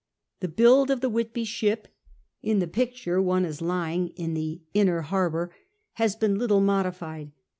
The buiW of the WJiitby ship — in the picture one is lying in the inner harbour — has been little modified.